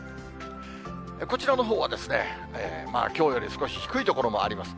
こちらのほうは、きょうより少し低い所もあります。